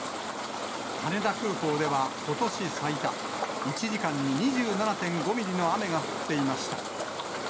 羽田空港ではことし最多、１時間に２７．５ミリの雨が降っていました。